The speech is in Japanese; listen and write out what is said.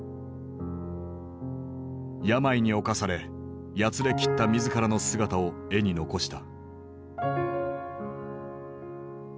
病に侵されやつれきった自らの姿を絵に残した。